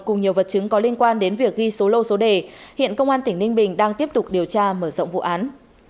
cùng nhiều vật chứng có liên quan đến việc ghi số lô số đề hiện công an tỉnh ninh bình đang tiếp tục điều tra mở rộng vụ án